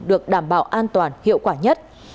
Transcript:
được đảm bảo an toàn hiệu quả nhất